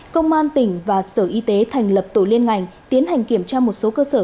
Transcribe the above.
công an tỉnh và sở y tế thành lập tổ liên ngành tiến hành kiểm tra một số cơ sở